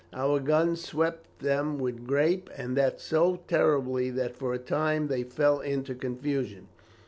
Our guns swept them with grape, and that so terribly that for a time they fell into confusion.